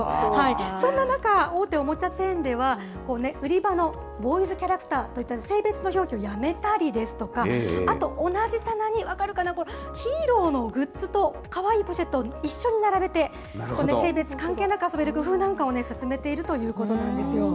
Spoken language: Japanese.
そんな中、大手おもちゃチェーンでは、売り場のボーイズキャラクター、こういった性別の表記をやめたりですとか、あと同じ棚に、分かるかな、ヒーローのグッズとかわいいポシェットを一緒に並べて、性別関係なく遊べる工夫なんかを進めているということなんですよ。